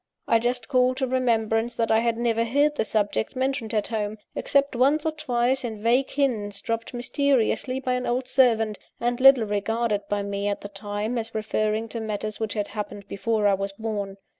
I just called to remembrance that I had never heard the subject mentioned at home, except once or twice in vague hints dropped mysteriously by an old servant, and little regarded by me at the time, as referring to matters which had happened before I was born.